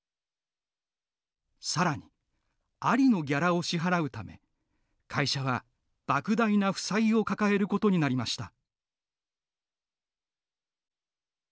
さらにアリのギャラを支払うため会社はばく大な負債を抱えることになりました。